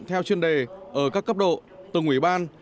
theo chuyên đề ở các cấp độ từng ủy ban